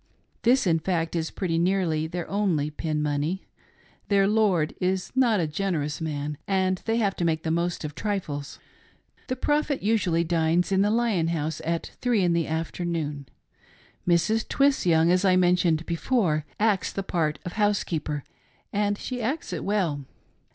This, in fact> is pretty nearly their only "pin money:" theip " lord" is not a generous man, and they have to make the most of trifles. The Prophet usually dines in the Lion House at three in the afternoon. Mrs. Twiss Young, as I mentioned before, acts the part of housekeeper, and she acts it well.